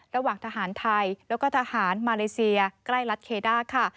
ระหว่างทหารไทยแล้วก็ทหารมาเลเซียใกล้รัฐเคด้าค่ะ